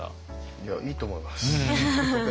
いやいいと思いますとても。